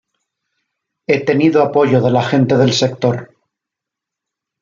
He tenido apoyo de la gente del sector